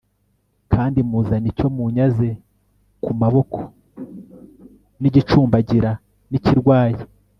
Kandi muzana icyo munyaze ku maboko nigicumbagira nikirwaye